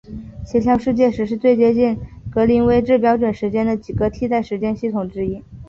协调世界时是最接近格林威治标准时间的几个替代时间系统之一。